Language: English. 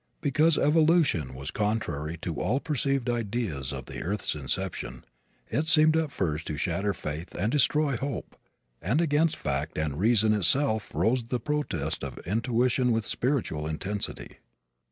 Because evolution was contrary to all preconceived ideas of the earth's inception it seemed at first to shatter faith and destroy hope, and against fact and reason itself rose the protest of intuition with spiritual intensity.